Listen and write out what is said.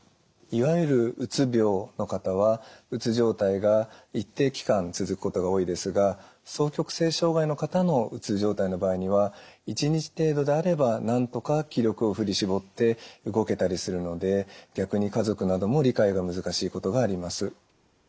いわゆるうつ病の方はうつ状態が一定期間続くことが多いですが双極性障害の方のうつ状態の場合には１日程度であれば何とか気力を振り絞って動けたりするので逆に家族なども理解が難しいことがあります。